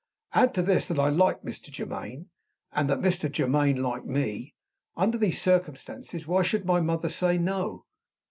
Add to this, that I liked Mr. Germaine, and that Mr. Germaine liked me. Under these circumstances, why should my mother say No?